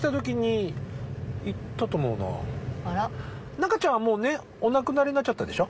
中ちゃんはもうねお亡くなりになっちゃったでしょ？